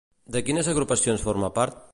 De quines agrupacions forma part?